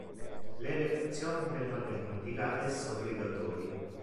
Le lection de mathematica es obligatori.